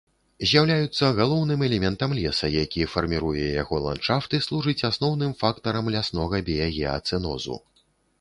З'яўляюцца галоўным элементам леса, які фарміруе яго ландшафт, і служаць асноўным фактарам ляснога біягеацэнозу.